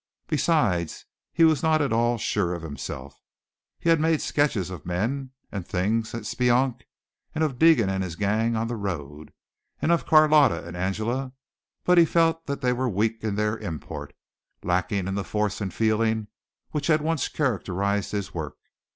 Besides he was not at all sure of himself. He had made sketches of men and things at Speonk, and of Deegan and his gang on the road, and of Carlotta and Angela, but he felt that they were weak in their import lacking in the force and feeling which had once characterized his work.